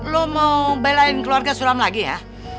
lu mau belain keluarga sulam lagi ya